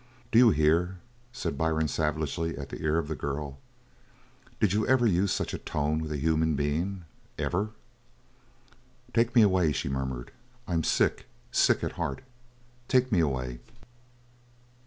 "Do you hear?" said Byrne savagely, at the ear of the girl. "Did you ever use such a tone with a human being? Ever?" "Take me away!" she murmured. "I'm sick sick at heart. Take me away!"